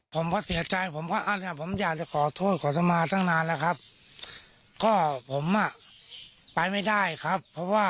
ผมก็เสียใจผมก็อ้าวนะครับ